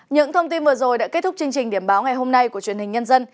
những thông tin vừa rồi đã kết thúc chương trình điểm báo ngày hôm nay của truyền hình nhân dân